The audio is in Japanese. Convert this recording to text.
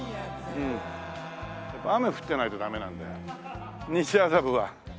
雨降ってないとダメなんだよ西麻布は。